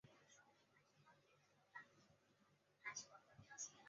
电影的舞台主要是北海道和东京都。